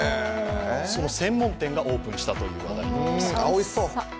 その専門店がオープンしたという話題です。